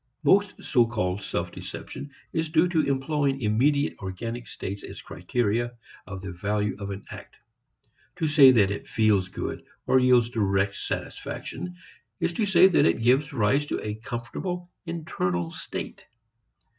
Most so called self deception is due to employing immediate organic states as criteria of the value of an act. To say that it feels good or yields direct satisfaction is to say that it gives rise to a comfortable internal state.